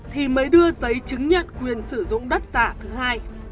thì mới đưa giấy chứng nhận quyền sử dụng đất giả thứ hai